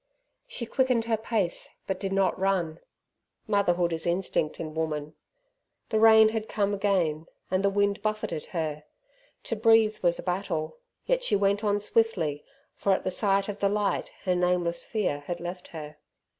She quickened her pace, but did not run motherhood is instinct in woman. The rain had come again, and the wind buffeted her. To breathe was a battle, yet she went on swiftly, for at the sight of the light her nameless fear had left her.